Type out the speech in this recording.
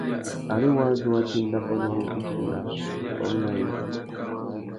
Ari wādjú wa tà enda pandúruffúffuna, wá mú nà yêndzê.